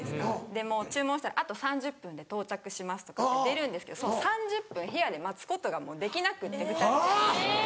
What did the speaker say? で注文したら「あと３０分で到着します」とか出るんですけどその３０分部屋で待つことができなくて２人で。